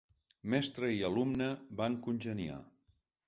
Mestra i alumna van congeniar.